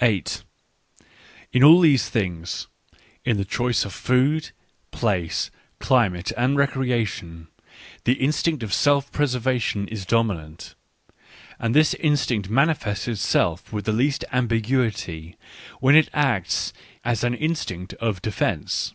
8 In all these things — in the choice of food, place, climate, and recreation — the instinct of self pre servation is dominant, and this instinct manifests itself with least ambiguity when it acts as an in stinct of defence.